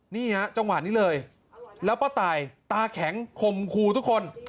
นี่ฮะจังหวะนี้เลยแล้วป้าตายตาแข็งคมครูทุกคน